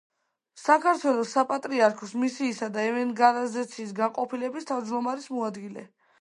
საქართველოს საპატრიარქოს მისიისა და ევანგელიზაციის განყოფილების თავმჯდომარის მოადგილე.